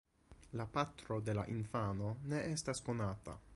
La patro de la infano ne estas konata.